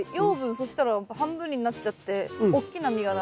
そしたら半分になっちゃって大きな実がならない。